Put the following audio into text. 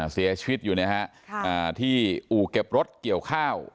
เสียชีวิตอยู่นะฮะที่อู่เก็บรถเกี่ยวข้าว